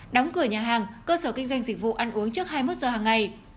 đóng cửa nhà hàng cơ sở kinh doanh dịch vụ ăn uống trước hai mươi một giờ hàng ngày